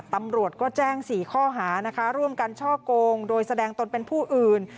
ตำรวจก็แจ้ง๔ข้อหานะคะร่วมกันช่อกงโดยแสดงตนเป็นผู้อื่น